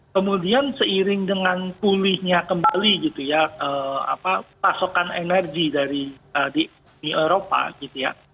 kemudian seiring dengan pulihnya kembali gitu ya pasokan energi dari di eropa gitu ya